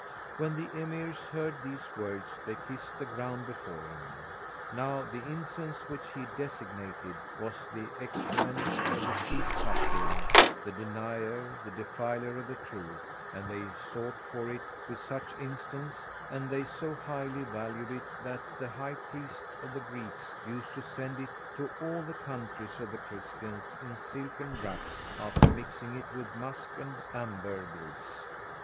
When the Emirs heard these words they kissed the ground before him. Now the incense which he designated was the excrement of the Chief Patriarch, the denier, the defiler of the Truth, and they sought for it with such instance, and they so highly valued it that the high priests of the Greeks used to send it to all the countries of the Christians in silken wraps after mixing it with musk and ambergris.